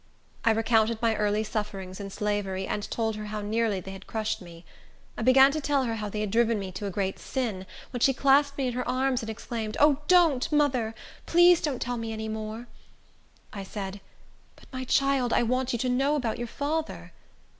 I recounted my early sufferings in slavery, and told her how nearly they had crushed me. I began to tell her how they had driven me into a great sin, when she clasped me in her arms, and exclaimed, "O, don't, mother! Please don't tell me any more." I said, "But, my child, I want you to know about your father."